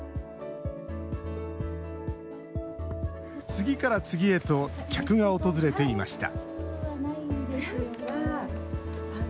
次から次へと客が訪れていました。